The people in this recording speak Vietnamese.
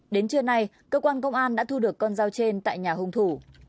đến trưa nay cơ quan công an đã thu được con dao trên tại nhà hùng thủ